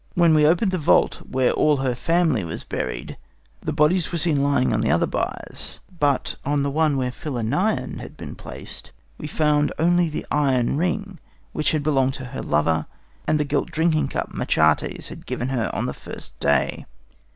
When we opened the vault where all her family was buried, the bodies were seen lying on the other biers; but on the one where Philinnion had been placed, we found only the iron ring which had belonged to her lover and the gilt drinking cup Machates had given her on the first day.